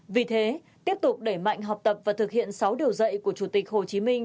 vì thế tiếp tục đẩy mạnh học tập và thực hiện sáu điều dạy của chủ tịch hồ chí minh